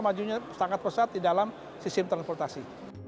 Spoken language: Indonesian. majunya sangat pesat di dalam sistem transportasi